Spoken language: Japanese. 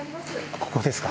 ここですか。